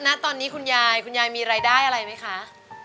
ณตอนนี้คุณยายคุณยายมีรายได้อะไรไหมคะ